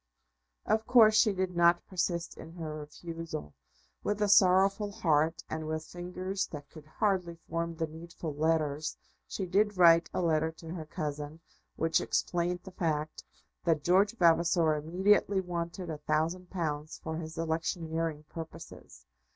Of course she did not persist in her refusal. With a sorrowful heart, and with fingers that could hardly form the needful letters, she did write a letter to her cousin, which explained the fact that George Vavasor immediately wanted a thousand pounds for his electioneering purposes.